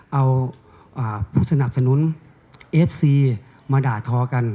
เอาผู้สนับสนุนเอฟซีมาด่าทอกัน